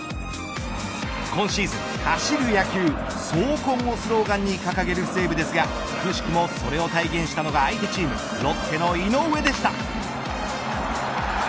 今シーズン、走る野球走魂をスローガンに掲げる西武ですがくしくもそれを体現したのが相手チーム「キュレル」